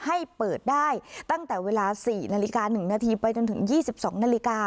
ให้เปิดได้ตั้งแต่เวลาสี่นาฬิกาหนึ่งนาทีไปจนถึงยี่สิบสองนาฬิกา